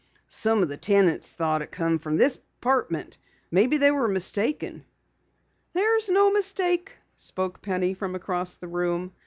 "Some of the tenants thought it came from this apartment. Maybe they were mistaken." "There's no mistake," spoke Penny from across the room.